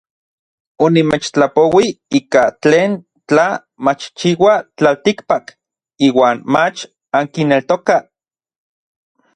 Onimechtlapouij ika tlen tla machchiua tlaltikpak iuan mach ankineltokaj.